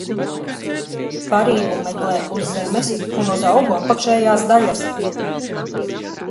Barību meklē uz zemes un uz augu apakšējās daļas.